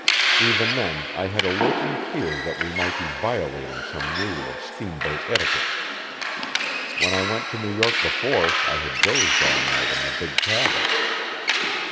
Even then I had a lurking fear that we might be violating some rule of steamboat etiquette. When I went to New York before I had dozed all night in the big cabin.